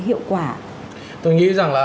hiệu quả tôi nghĩ rằng là